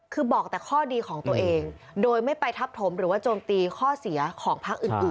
คือบอกแต่ข้อดีของตัวเองโดยไม่ไปทับถมหรือว่าโจมตีข้อเสียของพักอื่น